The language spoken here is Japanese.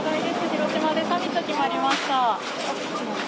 広島でサミット決まりました。